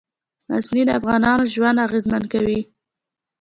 غزني د افغانانو ژوند اغېزمن کوي.